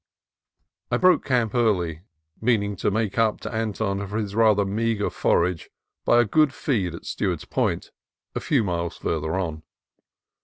I broke camp early, meaning to make up to Anton for his rather meagre forage by a good feed at Stew art's Point, a few miles farther on.